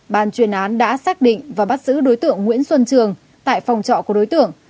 ban chuyên án đã xác định và bắt giữ đối tượng nguyễn xuân trường tại phòng trọ của đối tượng